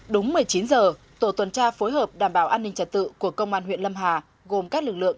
đúng một mươi chín giờ tổ tuần tra phối hợp đảm bảo an ninh trật tự của công an huyện lâm hà gồm các lực lượng